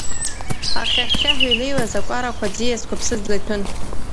Ахьхьа-хьхьаҳәа илеиуаз акәарақәа, аӡиасқәа ԥсыӡла иҭәын.